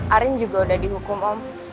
arin juga udah dihukum om